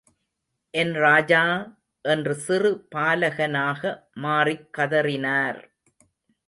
என் ராஜா! என்று சிறு பாலகனாக மாறிக் கதறினார்.